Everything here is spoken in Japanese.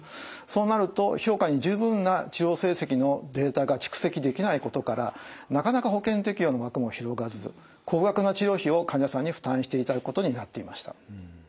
そうなると評価に十分な治療成績のデータが蓄積できないことからなかなか保険適用の枠も広がらず高額な治療費を患者さんに負担していただくことになっていました。